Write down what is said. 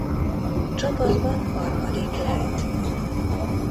Csapatban harmadik lett.